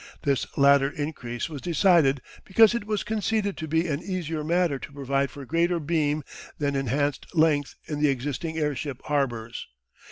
This latter increase was decided because it was conceded to be an easier matter to provide for greater beam than enhanced length in the existing air ship harbours.